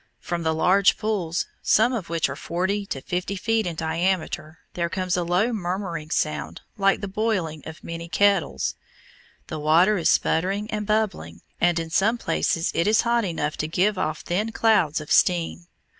From the large pools, some of which are forty to fifty feet in diameter, there comes a low murmuring sound like the boiling of many kettles. The water is sputtering and bubbling, and in some places it is hot enough to give off thin clouds of steam.